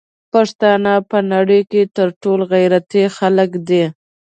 پښتانه په نړی کی تر ټولو غیرتی خلک دی